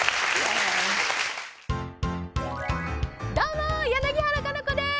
どうも柳原可奈子です。